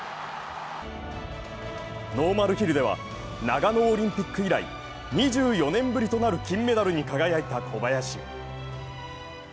ノーマルヒルでは長野オリンピック以来２４年ぶりとなる金メダルに輝いた小林。